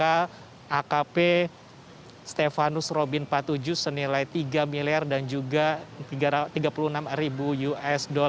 akp stefanus robin patuju senilai tiga miliar dan juga tiga puluh enam ribu usd